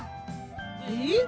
えっ！？